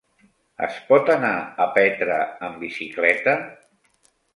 Es pot anar a Petra amb bicicleta?